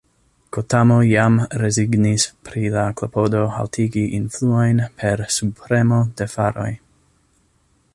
Gotamo jam rezignis pri la klopodo haltigi influojn per subpremo de faroj.